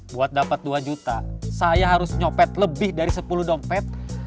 buat dapat dua juta saya harus nyopet lebih dari sepuluh dompet